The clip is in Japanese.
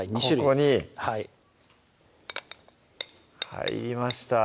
ここに入りました